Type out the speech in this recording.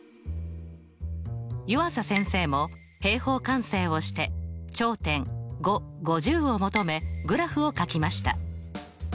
湯浅先生も平方完成をして頂点を求めグラフをかきました。